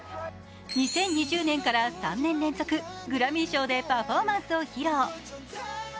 ２０２０年から３年連続、グラミー賞でパフォーマンスを披露。